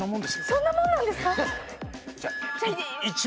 そんなもんなんですか？